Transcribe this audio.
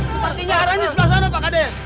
sepertinya ada di sebelah sana pak kades